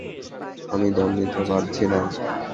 আমি দম নিতে পারছি না!